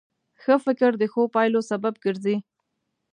ښه فکر د ښو پایلو سبب ګرځي.